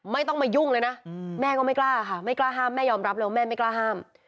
ไม่ต้องมายุ่งเลยนะแม่ก็ไม่กล้าค่ะไม่กล้าห้ามแม่ยอมรับเลยว่าแม่ไม่กล้าห้าม